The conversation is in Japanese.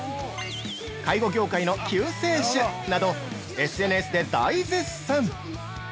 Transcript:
「介護業界の救世主！」などＳＮＳで大絶賛！